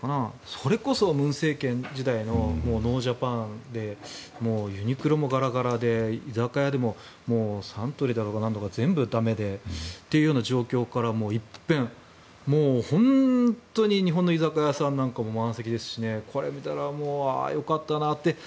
それこそ文政権時代のノージャパンでユニクロもガラガラで居酒屋でもサントリーだろうがなんだろうが全部駄目でという状況から一変もう本当に日本の居酒屋さんなんか満席ですしこれを見たらああよかったなって。